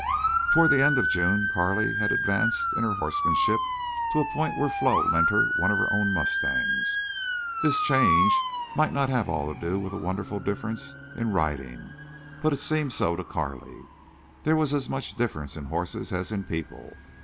Toward the end of June Carley had advanced in her horsemanship to a point where Flo lent her one of her own mustangs. This change might not have had all to do with a wonderful difference in riding, but it seemed so to Carley. There was as much difference in horses as in people.